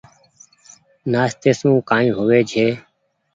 نآستي سون ڪآئي هووي ڇي۔